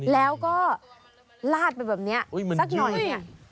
แล้วก็ลาดไปแบบนี้สักหน่อยเนี่ย